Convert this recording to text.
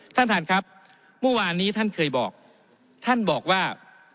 ท่านท่านครับเมื่อวานนี้ท่านเคยบอกท่านบอกว่า